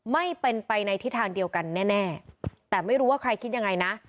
ไม่เป็นไปในทิศทางเดียวกันแน่แต่ไม่รู้ว่าใครคิดยังไงนะ